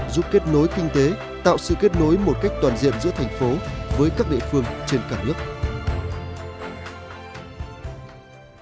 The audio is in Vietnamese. giúp kết nối kinh tế tạo sự kết nối một cách toàn diện giữa thành phố với các địa phương trên cả nước